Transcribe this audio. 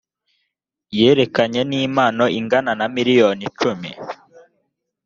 yerekeranye n’ impano ingana na miliyoni cumi